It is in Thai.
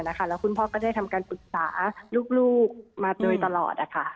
แล้วคุณพ่อก็ได้ทำการปรึกษาลูกมาโดยตลอด